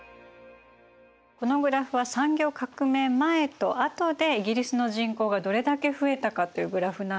このグラフは産業革命前と後でイギリスの人口がどれだけ増えたかというグラフなんですけども。